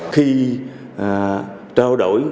khi trao đổi